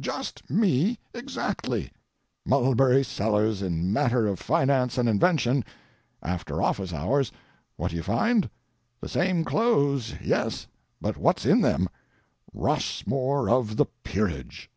Just me, exactly: Mulberry Sellers in matter of finance and invention; after office hours, what do you find? The same clothes, yes, but what's in them? Rossmore of the peerage."